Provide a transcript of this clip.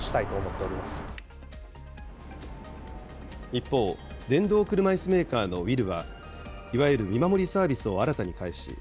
一方、電動車いすメーカーのＷＨＩＬＬは、いわゆる見守りサービスを新たに開始。